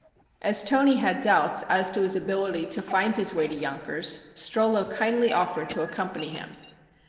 As Toni had doubts as to his ability to find his way to Yonkers, Strollo kindly offered to accompany him.